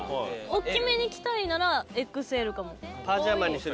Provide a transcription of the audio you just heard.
おっきめに着たいならＸＬかも。